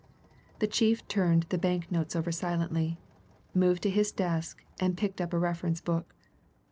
The chief turned the banknotes over silently, moved to his desk, and picked up a reference book.